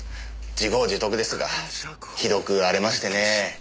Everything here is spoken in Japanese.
自業自得ですがひどく荒れましてね。